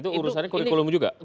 itu urusannya kurikulum juga